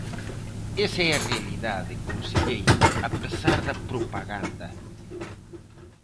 Esa é a realidade, conselleiro, a pesar da propaganda.